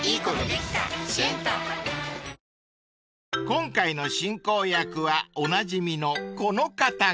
［今回の進行役はおなじみのこの方が］